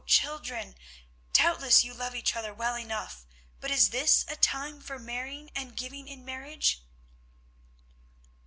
children, doubtless you love each other well, but is this a time for marrying and giving in marriage?"